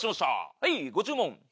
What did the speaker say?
はいご注文はい。